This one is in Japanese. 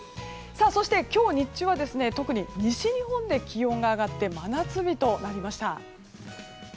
そして、今日日中は特に西日本で気温が上がって真夏日となりました。